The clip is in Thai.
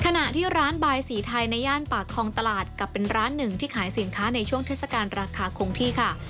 ขณะที่ร้านบายสีไทยในย่านปากคลองตลาดกลับเป็นร้านหนึ่งที่ขายสินค้าในช่วงเทศกาลราคาคงที่ค่ะ